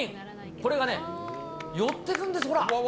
これが寄ってくんです、ほら。